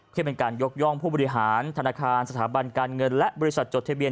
ที่เป็นการยกย่องผู้บริหารธนาคารสถาบันการเงินและบริษัทจดทะเบียน